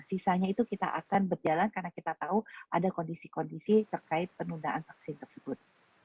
sisanya itu kita akan berjalan karena kita tahu ada kondisi kondisi terkait penundaan vaksin tersebut